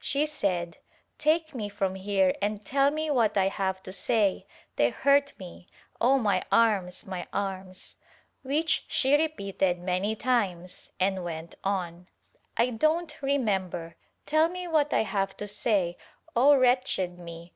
She said "Take me from here and tell me what I have to say — they hurt me — Oh my arms, my arms!" which she repeated Chap. VII] REPORTS 25 many times and went on "I don't remember — tell me what I have to say — O wretched me!